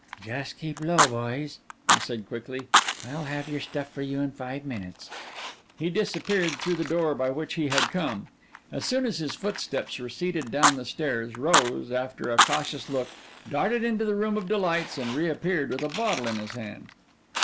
"Just keep low, boys," he said quickly. "I'll have your stuff for you in five minutes." He disappeared through the door by which he had come. As soon as his footsteps receded down the stairs, Rose, after a cautious look, darted into the room of delights and reappeared with a bottle in his hand.